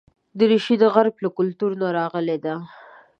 دریشي د غرب له کلتور نه راغلې ده.